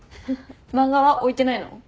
漫画は置いてないの？